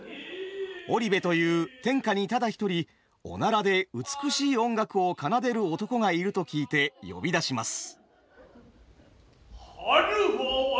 織部という天下にただ一人おならで美しい音楽を奏でる男がいると聞いて呼び出します。